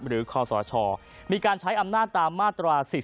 หรือคอสชมีการใช้อำนาจตามมาตร๔๔